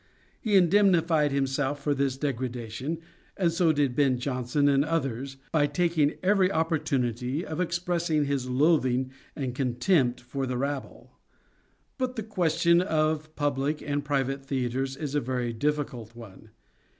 He indemnified himself for this degradation, and so did Ben Jonson and others, by taking every opportunity of expressing his loathing and contempt for the rabble. But the question of public and private theatres is a very difficult one.